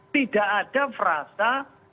tidak ada perasa